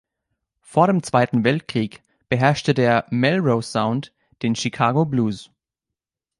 Vor dem Zweiten Weltkrieg beherrschte der "Melrose Sound" den Chicago Blues.